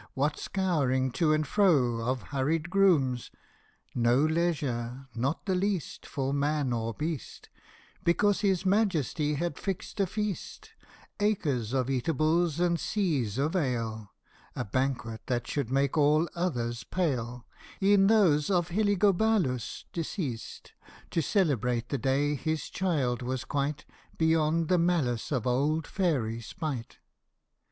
What scouring to and fro of hurried grooms ! No leisure, not the least, For man or beast, Because His Majesty had fixed a feast Acres of eatables and seas of ale, A banquet that should make all others pale, E'en those of Heliogabalus, deceased To celebrate the day his child was quite Beyond the malice of old Fairy Spite